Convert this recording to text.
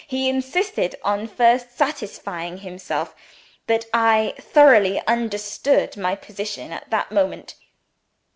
He insisted on first satisfying himself that I thoroughly understood my position at that moment.